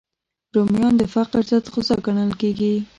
رومیان د فقر ضد غذا ګڼل کېږي